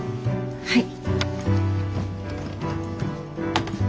はい。